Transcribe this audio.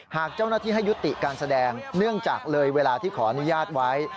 หากเจ้าหน้าที่ให้ยุติการแสดงเนื่องจากเลยเวลาที่ขออนุญาตไว้